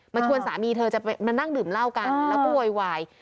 ชวนสามีเธอจะมานั่งดื่มเหล้ากันแล้วก็โวยวาย